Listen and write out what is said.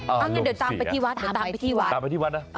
อ้าวลูกสี่ตามไปที่วัดตามไปที่วัดตามไปที่วัด